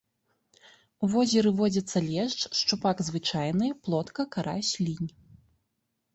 У возеры водзяцца лешч, шчупак звычайны, плотка, карась, лінь.